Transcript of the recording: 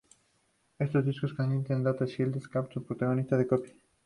Estos discos contenidas Data Shield Cactus protección de copia.